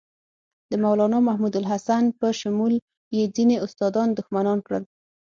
د مولنا محمودالحسن په شمول یې ځینې استادان دښمنان کړل.